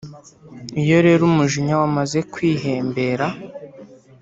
Iyo rero umujinya wamaze kwihembera